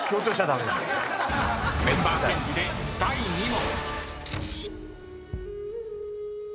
［メンバーチェンジで第２問］